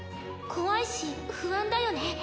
怖いし不安だよね。